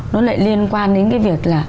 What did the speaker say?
nó lại liên quan đến cái việc là